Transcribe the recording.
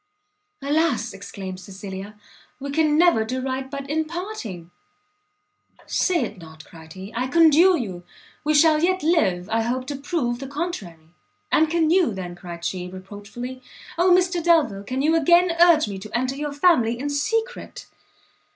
"Alas!" exclaimed Cecilia, "we can never do right but in parting!" "Say it not," cried he, "I conjure you! we shall yet live, I hope, to prove the contrary." "And can you, then," cried she, reproachfully, "Oh Mr Delvile! can you again urge me to enter your family in secret?"